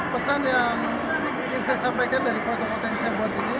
pesan yang ingin saya sampaikan dari foto foto yang saya buat ini